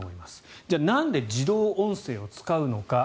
じゃあなんで自動音声を使うのか。